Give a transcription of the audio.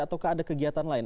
atau ada kegiatan lain